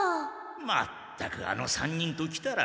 まったくあの３人ときたら！